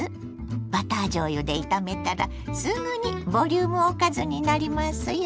バターじょうゆで炒めたらすぐにボリュームおかずになりますよ。